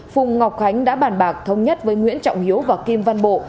phùng ngọc khánh đã bàn bạc thống nhất với nguyễn trọng hiếu và kim văn bộ